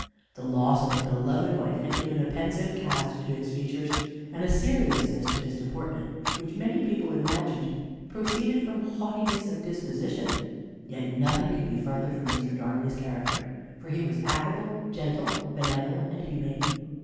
The loss of a beloved wife had given a pensive cast to his features, and a seriousness to his deportment, which many people imagined proceeded from haughtiness of disposition, yet nothing could be further from Mr. Darnley's character, for he was affable, gentle, benevolent, and humane.